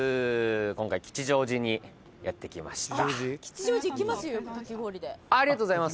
今回吉祥寺にやって来ました